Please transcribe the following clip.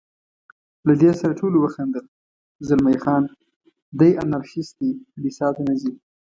له دې سره ټولو وخندل، زلمی خان: دی انارشیست دی، کلیسا ته نه ځي.